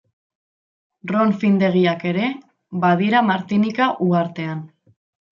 Ron findegiak ere badira Martinika uhartean.